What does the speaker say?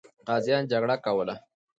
غازیان جګړه کوله.